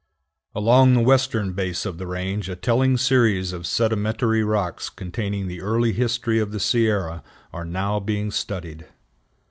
Along the western base of the range a telling series of sedimentary rocks containing the early history of the Sierra are now being studied.